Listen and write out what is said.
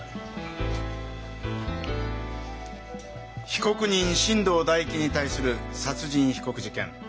被告人進藤大樹に対する殺人被告事件。